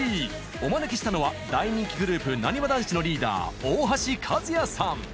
お招きしたのは大人気グループ「なにわ男子」のリーダー大橋和也さん。